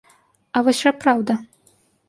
А вось жа праўда!